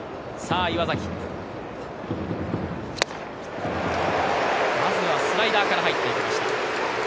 岩崎、まずはスライダーから入っていきました。